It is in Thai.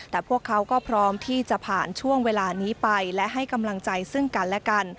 แต่พวกเขาก็พร้อมที่จะผ่านช่วงเวลานี้ไปและให้กำลังใจซึ่งกันและกัน